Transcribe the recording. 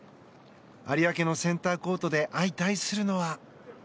有明のセンターコートで相対するのは。